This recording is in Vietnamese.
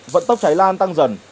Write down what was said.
vận tốc cháy lan tăng dần